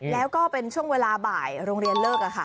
แล้วก็เป็นช่วงเวลาบ่ายโรงเรียนเลิก